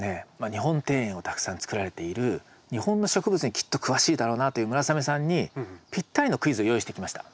日本庭園をたくさんつくられている日本の植物にきっと詳しいだろうなという村雨さんにぴったりのクイズを用意してきました。